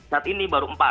saat ini baru empat